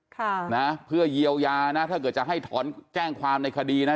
ค่ะนะเพื่อเยียวยานะถ้าเกิดจะให้ถอนแจ้งความในคดีนะ